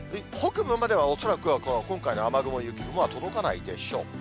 北部までは恐らくは、この今回の雨雲、雪雲は届かないでしょう。